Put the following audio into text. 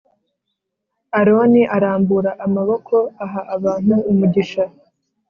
Aroni arambura amaboko aha abantu umugisha